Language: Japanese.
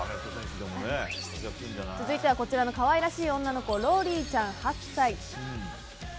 続いてはこちらの可愛らしい女の子ローリーちゃん、８歳。